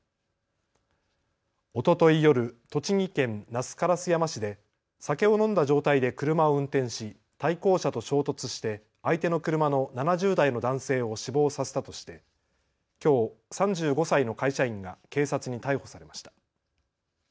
おととい夜、栃木県那須烏山市で酒を飲んだ状態で車を運転し対向車と衝突して相手の車の７０代の男性を死亡させたとしてきょう３５歳の会社員が警察に逮捕されました。